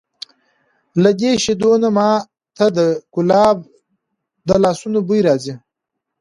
له دې شیدو نه ما ته د کلاب د لاسونو بوی راځي!